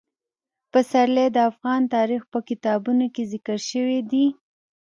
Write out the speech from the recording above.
پسرلی د افغان تاریخ په کتابونو کې ذکر شوی دي.